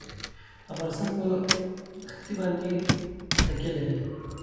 افغانستان په ښتې باندې تکیه لري.